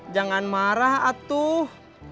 jangan marah atuh